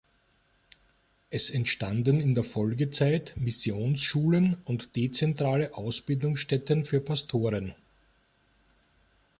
Es entstanden in der Folgezeit Missionsschulen und dezentrale Ausbildungsstätten für Pastoren.